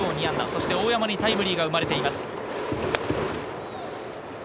そして大山にタイムリーが生まれています。